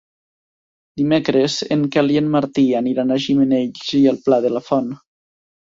Dimecres en Quel i en Martí aniran a Gimenells i el Pla de la Font.